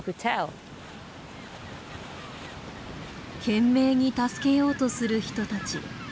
懸命に助けようとする人たち。